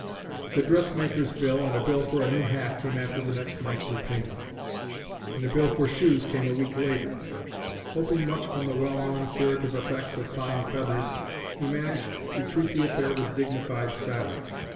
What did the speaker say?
The dressmaker's bill and a bill for a new hat came after the next monthly payment; and a bill for shoes came a week later. Hoping much from the well known curative effects of fine feathers, he managed to treat the affair with dignified silence.